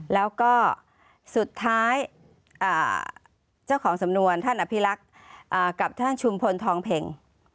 แล้วก็สุดท้ายเจ้าของสำนวนท่านอภิรักษ์กับท่านชุมพลทองเพ็ง